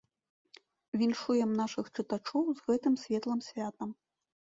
Віншуем нашых чытачоў з гэтым светлым святам.